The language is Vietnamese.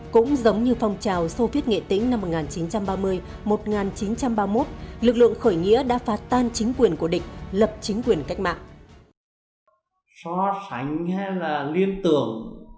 cũng giống như phong trào soviet nghệ tính năm một nghìn chín trăm ba mươi một nghìn chín trăm ba mươi một lực lượng khởi nghĩa đã phát tan chính quyền của địch lập chính quyền cách mạng